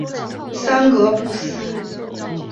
桑格布斯。